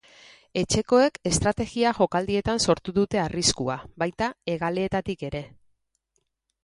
Etxekoek estrategia jokaldietan sortu dute arriskua, baita hegaleetatik ere.